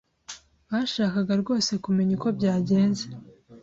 Bashakaga rwose kumenya uko byagenze.